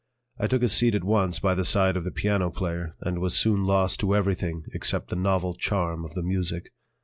I took a seat at once by the side of the piano player, and was soon lost to everything except the novel charm of the music.